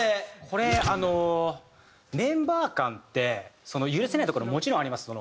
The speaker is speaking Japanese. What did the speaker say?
これメンバー間って許せないところもちろんあります。